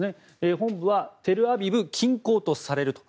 本部はテルアビブ近郊とされると。